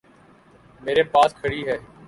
میرے پاس کھڑی ہے۔